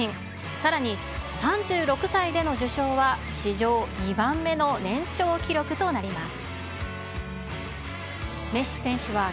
さらに、３６歳での受賞は史上２番目の年長記録となります。